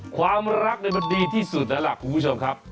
ความรักมันดีที่สุดแล้วล่ะคุณผู้ชมครับ